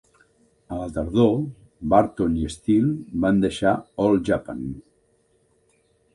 A la tardor, Barton i Steel van deixar All Japan.